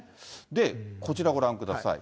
で、こちらご覧ください。